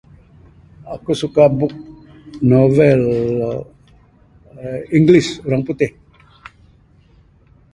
Aku suka book novel aaa english orang putih.